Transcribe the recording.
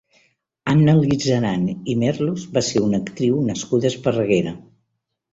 Anna Lizaran i Merlos va ser una actriu nascuda a Esparreguera.